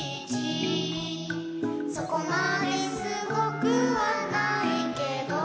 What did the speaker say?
「そこまですごくはないけど」